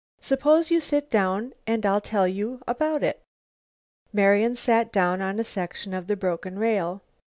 Suppose you sit down and I'll tell you about it." Marian sat down on a section of the broken rail.